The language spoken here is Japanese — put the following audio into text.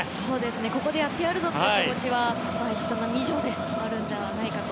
ここでやってやるぞという気持ちは人並み以上なのではないかと。